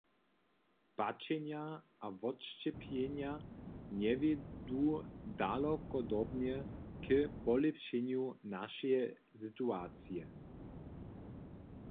Pačenja a wotšćěpjenja njewjedu dalokodobnje k polěpšenju našeje situacije.